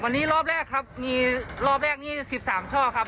วันนี้รอบแรกครับมีรอบแรกนี้๑๓ช่อครับ